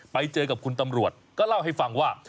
ไปเจอกับคุณตำรวจก็เล่าให้ฟังว่า